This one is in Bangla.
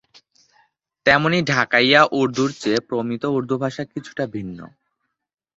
তেমনই ঢাকাইয়া উর্দুর চেয়ে প্রমিত উর্দু ভাষা কিছুটা ভিন্ন।